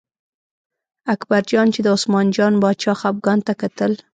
اکبرجان چې د عثمان جان باچا خپګان ته کتل.